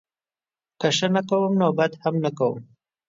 که ښه نه کوم نوبدهم نه کوم